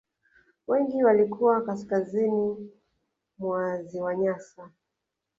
Wengi walikuwa kaskazini mwa ziwa Nyasa